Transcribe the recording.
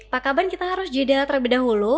pak kaban kita harus jeda terlebih dahulu